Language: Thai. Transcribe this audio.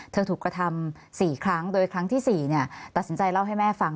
ถูกกระทำ๔ครั้งโดยครั้งที่๔ตัดสินใจเล่าให้แม่ฟัง